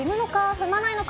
踏まないのか？